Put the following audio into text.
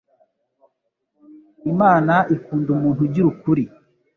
imana ikunda umuntu ugira ukuri